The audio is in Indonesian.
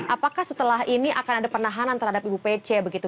apakah setelah ini akan ada penahanan terhadap ibu pece begitu